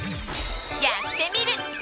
「やってみる。」。